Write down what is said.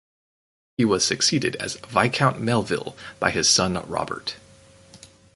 He was succeeded as Viscount Melville by his son Robert.